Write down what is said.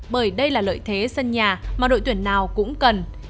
bởi đây là lợi thế sân nhà mà đội tuyển nào cũng cần